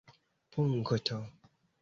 Punkto.